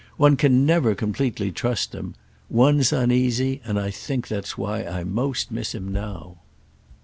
One can never completely trust them. One's uneasy, and I think that's why I most miss him now."